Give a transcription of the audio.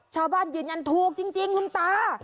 ชาวบ้านยืนยันถูกจริงคุณตา